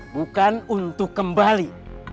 bukan untuk kembali